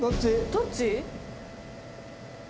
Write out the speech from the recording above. どっち？